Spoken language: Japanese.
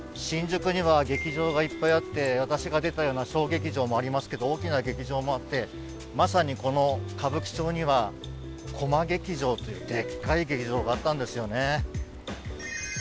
新宿には劇場がいっぱいあって私が出たような小劇場もありますけど大きな劇場もあってまさにこの歌舞伎町にはコマ劇場というでっかい劇場があったんですよね。